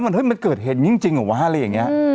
มันเกิดเหตุแล้วยังจริงเหรอวะอะไรอย่างนี้